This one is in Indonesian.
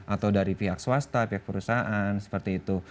atau dari pihak swasta pihak perusahaan seperti itu